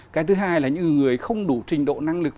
cái thứ hai là những người không đủ trình độ năng lực